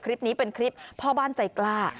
คลิปนี้เป็นคลิปพ่อบ้านใจกล้า